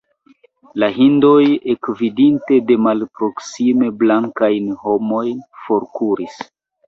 La hindoj, ekvidinte de malproksime blankajn homojn, forkuris.